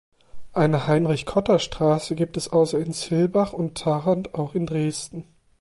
Eine Heinrich-Cotta-Straße gibt es außer in Zillbach und Tharandt auch in Dresden.